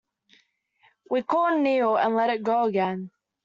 We caught an eel and let it go again.